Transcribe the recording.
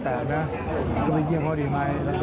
ตอนนี้ก็ไม่เยี่ยม